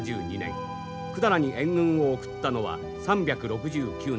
百済に援軍を送ったのは３６９年。